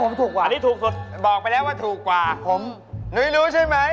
คุณนุ้ยอันนี้ถูกสุดบอกไปแล้วว่าถูกกว่านุ้ยรู้ใช่ไหม